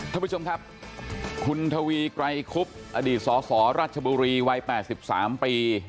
ท่านผู้ชมครับคุณทวีไกรคุบอดีตสสราชบุรีวัย๘๓ปี